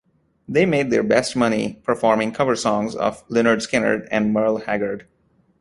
They made their best money performing cover songs of Lynyrd Skynyrd and Merle Haggard.